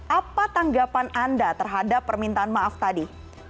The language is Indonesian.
apa tanggapan anda terhadap permintaan maaf tadi